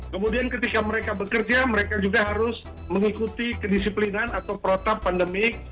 kemudian ketika mereka bekerja mereka juga harus mengikuti kedisiplinan atau protap pandemik